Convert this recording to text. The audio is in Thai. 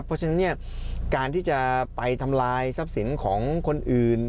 เพราะฉะนั้นเนี่ยการที่จะไปทำลายทรัพย์สินของคนอื่น